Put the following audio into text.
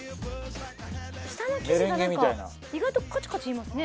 下の生地が何か意外とカチカチいいますね